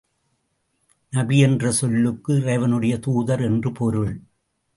நபி என்ற சொல்லுக்கு இறைவனுடைய தூதர் என்று பொருள்.